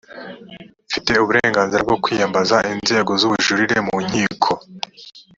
mfite uburenganzira bwo kwiyambaza inzira z ubujurire mu nkiko